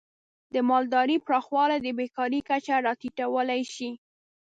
د مالدارۍ پراخوالی د بیکاری کچه راټیټولی شي.